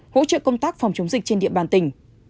hỗ trợ công tác phòng chống dịch trên địa bàn tỉnh